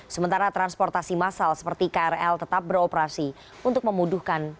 sementara transportasi massal seperti krl tetap beroperasi untuk memudahkan